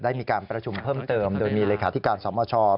ได้มีการประชุมเพิ่มเติมโดยมีเลขาธิการสมช